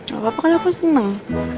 gak apa apa kan aku seneng